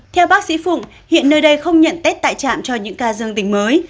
theo bác sĩ phụng hiện nơi đây không nhận tết tại trạm cho những ca dương tính mới